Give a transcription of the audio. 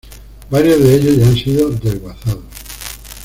Varios de ellos ya han sido desguazados.